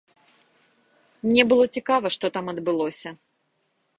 Мне было цікава, што там адбылося.